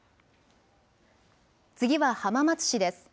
次は浜松市です。